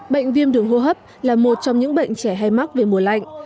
bệnh viêm đường hô hấp là một trong những bệnh trẻ hay mắc về mùa lạnh